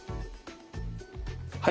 はい。